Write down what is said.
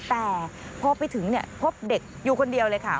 แต่พอไปถึงพบเด็กอยู่คนเดียวเลยค่ะ